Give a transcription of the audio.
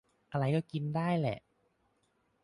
อะไรก็กินได้แหละ